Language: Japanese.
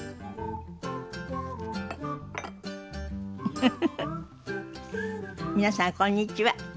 フフフフ皆さんこんにちは。